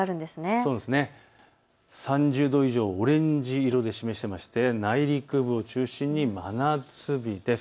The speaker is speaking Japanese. ３０度以上、オレンジ色を示していまして内陸部を中心に真夏日です。